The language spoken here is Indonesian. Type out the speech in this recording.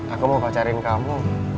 aku mau pacarin kamu